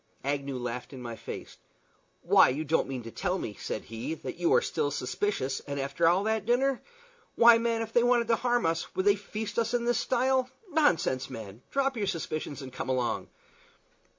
Agnew laughed in my face. "Why, you don't mean to tell me," said he, "that you are still suspicious, and after that dinner? Why, man, if they wanted to harm us, would they feast us in this style? Nonsense, man! Drop your suspicions and come along."